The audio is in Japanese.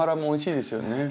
おいしいですよね。